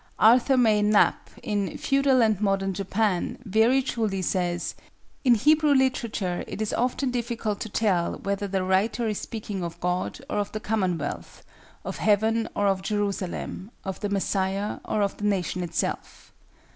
Arthur May Knapp very truly says: "In Hebrew literature it is often difficult to tell whether the writer is speaking of God or of the Commonwealth; of heaven or of Jerusalem; of the Messiah or of the nation itself."